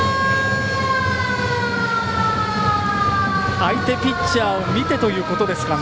相手ピッチャーを見てということですかね。